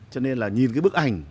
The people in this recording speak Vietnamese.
cho nên là nhìn cái bức ảnh